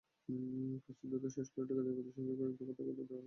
কাজটি দ্রুত শেষ করতে ঠিকাদারি প্রতিষ্ঠানকে কয়েক দফা তাগাদা দেওয়া হয়েছে।